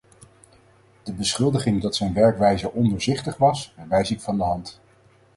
De beschuldiging dat zijn werkwijze ondoorzichtig was, wijs ik van de hand.